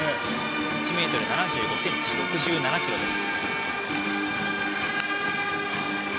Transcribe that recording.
１ｍ７５ｃｍ６７ｋｇです。